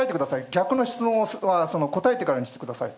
逆の質問は答えてからにしてください。